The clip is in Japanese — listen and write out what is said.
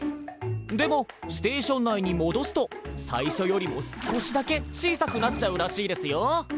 でもステーション内にもどすと最初よりも少しだけ小さくなっちゃうらしいですよ。